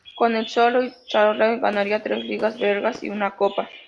Con el Spirou Charleroi ganaría tres ligas belgas y una copa.